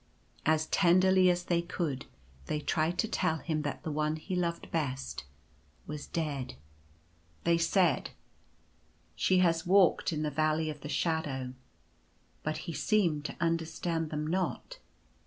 As tenderly as they could they tried to tell him that the One he loved best was dead. The . Poet's Resolve. 139 They said :—•" She has walked in the Valley of the Shadow ;" but he seemed to understand them not.